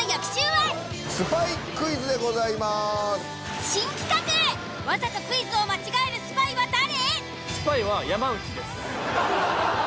わざとクイズを間違えるスパイは誰？